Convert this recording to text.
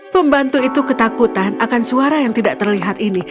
pembantu itu ketakutan akan suara yang tidak terlihat ini